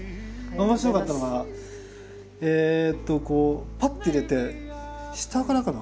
面白かったのがえっとこうパッて入れて下からかな？